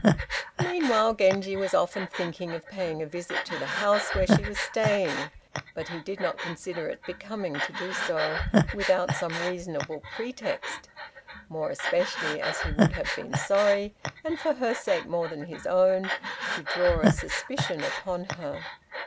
Meanwhile, Genji was often thinking of paying a visit to the house where she was staying, but he did not consider it becoming to do so, without some reasonable pretext, more especially as he would have been sorry, and for her sake more than his own, to draw a suspicion upon her.